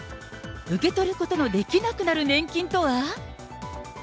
受け取ることのできなくなる年金とは？